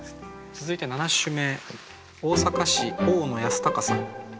続いて７首目。